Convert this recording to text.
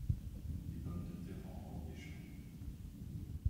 Des pommes de terres en robe des champs.